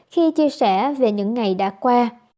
khi chia sẻ về những ngày đã qua